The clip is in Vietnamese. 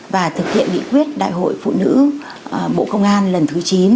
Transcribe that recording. và thực hiện nghị quyết đại hội phụ nữ bộ công an lần thứ chín